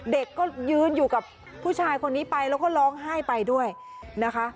เด็กก็ยืนอยู่กับผู้ชายคนนี้ไปแล้วก็ร้องไห้ไปด้วยนะคะ